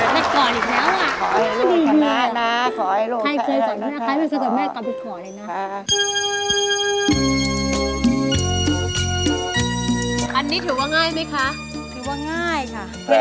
แม่ก่อนอีกแล้ว